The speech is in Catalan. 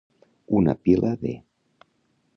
Una pila de.